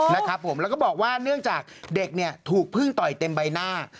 แล้วก็บอกว่าเนื่องจากเด็กถูกพึ่งต่อยเต็มใบหน้า